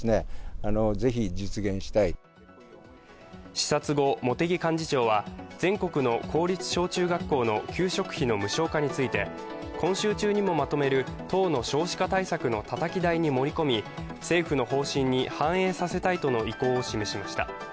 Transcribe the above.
視察後、茂木幹事長は全国の公立小中学校の給食費の無償化について今週中にもまとめる党の少子化対策のたたき台に盛り込み政府の方針に反映させたいとの意向を示しました。